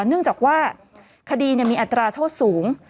เนื่องจากว่าคดีมีอัตราโทษสูง